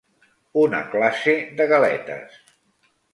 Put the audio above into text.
Una classe de galetes.